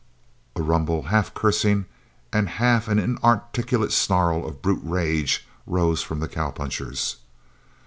A rumble, half cursing and half an inarticulate snarl of brute rage, rose from the cowpunchers.